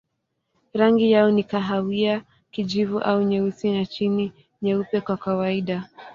Rangi yao ni kahawia, kijivu au nyeusi na chini nyeupe kwa kawaida.